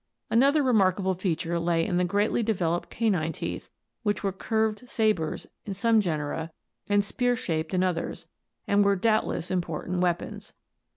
Another remarkable feature lay in the greatly developed canine teeth, which were curved sabers in some genera and spear shaped in others, and were doubtless important weapons.